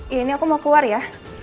ini aku mau keluar ya